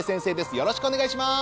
よろしくお願いします